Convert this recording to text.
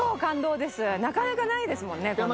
なかなかないですもんねこんなね。